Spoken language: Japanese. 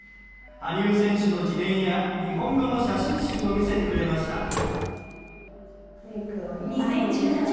羽生選手の自伝や日本語の写真集を見せてくれました。